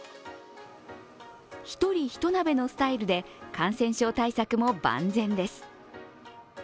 １人１鍋のスタイルで感染症対策も万全です。